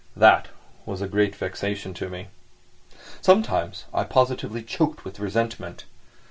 That was a great vexation to me. Sometimes I was positively choked with resentment.